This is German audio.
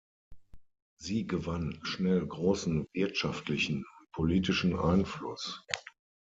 Sie gewann schnell großen wirtschaftlichen und politischen Einfluss.